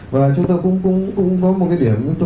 và chúng tôi cũng có một cái điểm